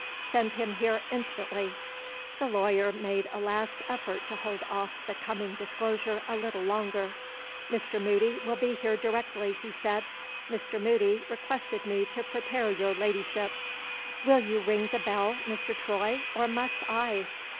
Send him here instantly." The lawyer made a last effort to hold off the coming disclosure a little longer. "Mr. Moody will be here directly," he said. "Mr. Moody requested me to prepare your Ladyship " "Will you ring the bell, Mr. Troy, or must I?"